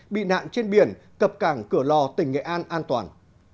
bị nạn trên biển cập cảng cửa lò tỉnh nghệ an an toàn